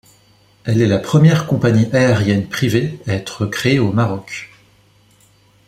Elle est la première compagnie aérienne privée à être créée au Maroc.